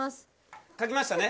書きましたね？